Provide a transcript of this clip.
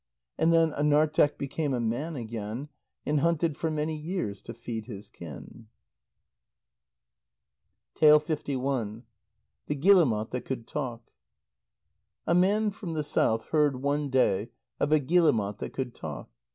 And then Anarteq became a man again, and hunted for many years to feed his kin. THE GUILLEMOT THAT COULD TALK A man from the south heard one day of a guillemot that could talk.